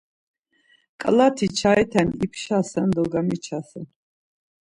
Ǩalati çaiten ipşasen do gamiçasen.